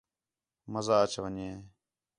مزاہ اَچ ون٘ڄے